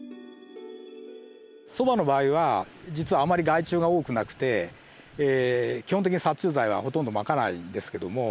そばの場合は実はあまり害虫が多くなくて基本的に殺虫剤はほとんどまかないんですけども。